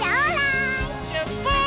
しゅっぱつ！